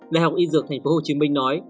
đại học y dược tp hcm nói